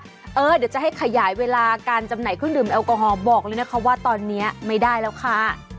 เดี๋ยวจะให้ขยายเวลาการจำหน่ายเครื่องดื่มแอลกอฮอล์บอกเลยนะคะว่าตอนนี้ไม่ได้แล้วค่ะ